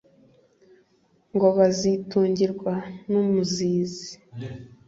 ngo bazitungirwa n’umuzizi,